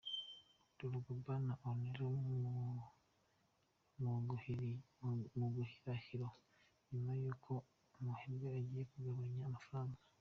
Drogba na Anelka mu gihirahiro nyuma y’uko umuherwe agiye kubagabanya amafaranga.